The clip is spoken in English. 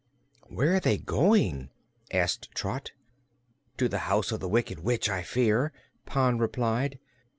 "Where are they going?" asked Trot. "To the house of the Wicked Witch, I fear," Pon replied.